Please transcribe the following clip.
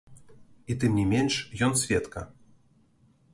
І тым не менш, ён сведка.